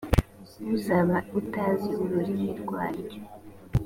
uzaba utazi ururimi rwaryo